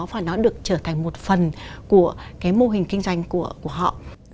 và nó được trở thành một phần của cái mô hình kinh doanh của họ